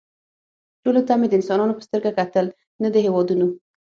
ټولو ته مې د انسانانو په سترګه کتل نه د هېوادونو